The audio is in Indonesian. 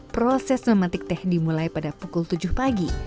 proses memetik teh dimulai pada pukul tujuh pagi